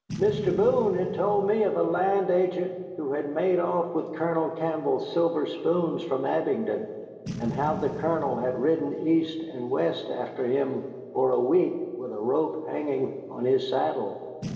"Mr. Boone had told me of a land agent who had made off with Colonel Campbell's silver spoons from Abingdon, and how the Colonel had ridden east and west after him for a week with a rope hanging on his saddle.